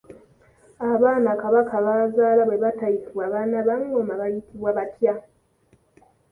Abaana Kabaka b’azaala bwe batayitibwa baana ba ngoma bayitibwa batya?